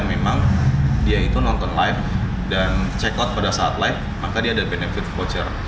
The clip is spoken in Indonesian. memang dia itu nonton live dan check out pada saat live maka dia ada benefit voucher